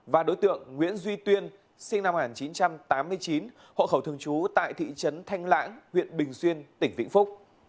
và đối tượng nguyễn duy tuyên sinh năm một nghìn chín trăm tám mươi chín hộ khẩu thường trú tại thị trấn thanh lãng huyện bình xuyên tỉnh vĩnh phúc